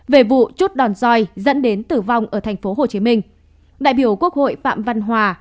về vụ chốt đòn roi dẫn đến tử vong ở tp hcm đại biểu quốc hội phạm văn hòa